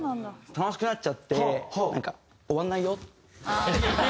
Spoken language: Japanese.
楽しくなっちゃってなんか「終わんないよ」。